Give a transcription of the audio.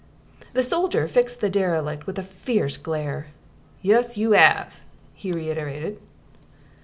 The soldier fixed the derelict with a fierce glare. "Yus you 'ave," he reiterated.